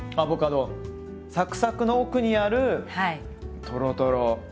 サクサクの奥にあるトロトロ。